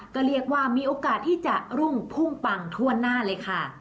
ก็เรียกว่ามีโอกาสที่จะรุ่งพุ่งปังทั่วหน้าเลยค่ะ